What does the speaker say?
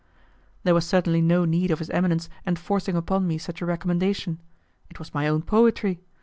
There was certainly no need of his eminence enforcing upon me such a recommendation; it was my own poetry.